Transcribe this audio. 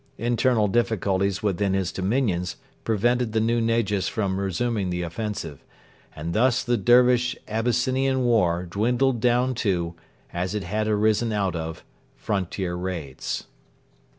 Internal difficulties within his dominions prevented the new Negus from resuming the offensive, and thus the Dervish Abyssinian war dwindled down to, as it had arisen out of, frontier raids.